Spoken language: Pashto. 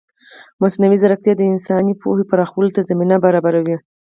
مصنوعي ځیرکتیا د انساني پوهې پراخولو ته زمینه برابروي.